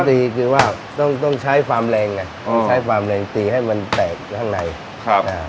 ตีคือว่าต้องต้องใช้ความแรงไงอืมใช้ความแรงตีให้มันแตกข้างในครับอ่า